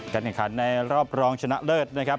กันอย่างค่ะในรอบรองชนะเลิศนะครับ